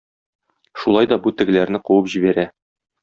Шулай да бу тегеләрне куып җибәрә.